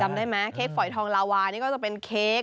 จำได้ไหมเค้กฝอยทองลาวานี่ก็จะเป็นเค้ก